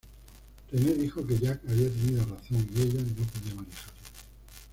Renee dijo que Jack había tenido razón y ella no podía manejarlo.